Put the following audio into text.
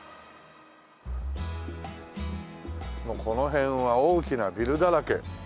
この辺は大きなビルだらけ。